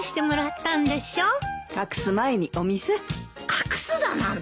隠すだなんて。